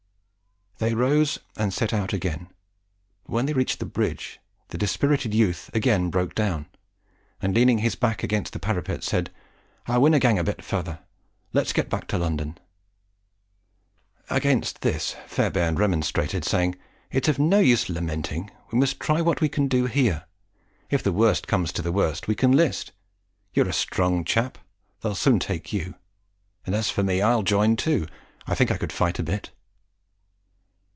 They rose, and set out again, but when they reached the bridge, the dispirited youth again broke down; and, leaning his back against the parapet, said, "I winna gang a bit further; let's get back to London." Against this Fairbairn remonstrated, saying "It's of no use lamenting; we must try what we can do here; if the worst comes to the worst, we can 'list; you are a strong chap they'll soon take you; and as for me, I'll join too; I think I could fight a bit."